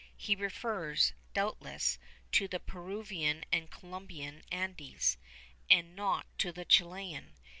He refers, doubtless, to the Peruvian and Columbian Andes, and not to the Chilian.